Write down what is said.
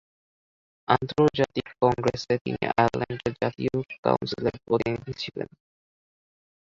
আন্তর্জাতিক কংগ্রেসে তিনি আয়ারল্যান্ডের জাতীয় কাউন্সিলের প্রতিনিধি ছিলেন।